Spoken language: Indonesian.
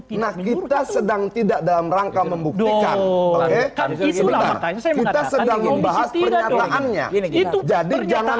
tidak kita sedang tidak dalam rangka membuktikan oke kita sedang membahas tindaknya itu jadi jangan